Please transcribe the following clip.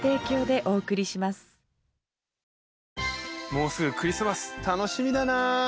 もうすぐクリスマス楽しみだな！